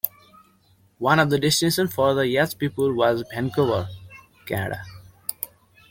One of the destinations for the yacht people was Vancouver, Canada.